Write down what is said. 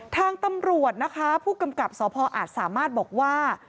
ทางตำรวจนะคะผู้กำกับสพอาจสามารถบอกว่า